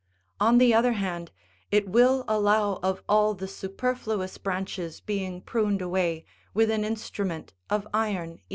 On the other hand, it will allow of all the superfluous branches being pruned away with an instrument of iron even.